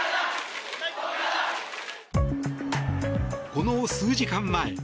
この数時間前。